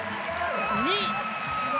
２位！